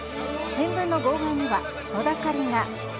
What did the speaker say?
新聞の号外には、人だかりが。